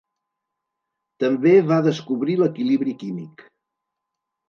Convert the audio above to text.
També va descobrir l'equilibri químic.